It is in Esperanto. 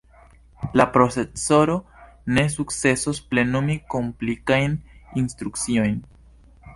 La procesoro ne sukcesos plenumi komplikajn instrukciojn.